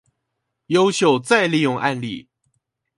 優秀再利用案例